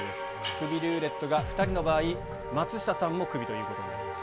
クビルーレットが２人の場合、松下さんもクビということになります。